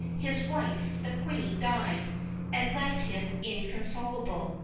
His wife, the Queen, died, and left him inconsolable.